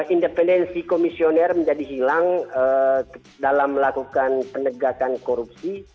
independensi komisioner menjadi hilang dalam melakukan penegakan korupsi